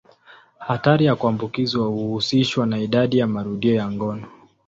Hatari ya kuambukizwa huhusishwa na idadi ya marudio ya ngono.